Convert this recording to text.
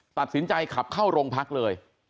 ตัดสินใจขับเข้าโรงพักเลย